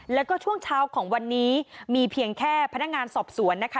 แล้วก็ช่วงเช้าของวันนี้มีเพียงแค่พนักงานสอบสวนนะคะ